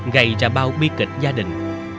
gây ra bao bi kịch gia đình